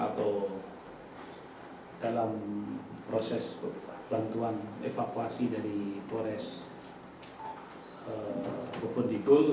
atau dalam proses bantuan evakuasi dari polres bovendigul